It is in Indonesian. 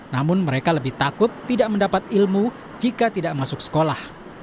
namun mereka lebih takut tidak mendapat ilmu jika tidak masuk sekolah